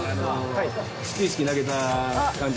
始球式投げてた感じ？